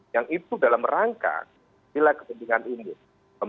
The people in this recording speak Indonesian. yang itu dalam rangka bila kepentingan umum